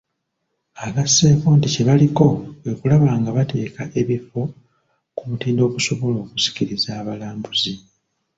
Agasseeko nti kye baliko kwe kulaba nga bateeka ebifo ku mutindo ogusobola okusikiriza abalambuzi.